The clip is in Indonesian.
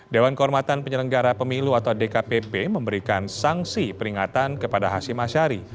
dewan kehormatan penyelenggara pemilu atau dkpp memberikan sanksi peringatan kepada hashim ashari